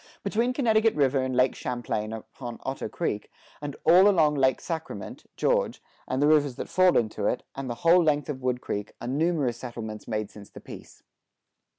Between Connecticut river and Lake Champlain upon Otter Creek, and all along Lake Sacrament [George] and the rivers that fall into it, and the whole length of Wood Creek, are numerous settlements made since the peace.